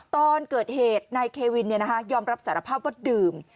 ตอนเกิดเหตุนายเควินยอมรับสารภาพว่าดื่ม